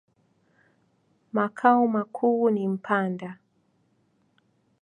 Makao makuu ni Mpanda.